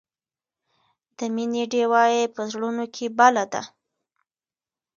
د مینې ډیوه یې په زړونو کې بله ده.